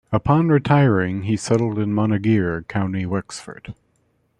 Upon retiring, he settled in Monageer, County Wexford.